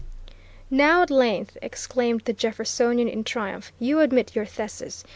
Now, at length, exclaimed the Jeffersonian in triumph, you admit our thesis.